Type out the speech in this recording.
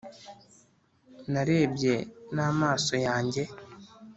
narebye n’amaso yanjye,